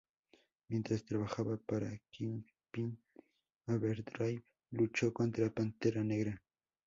Mientras trabajaba para Kingpin, Overdrive luchó contra Pantera Negra.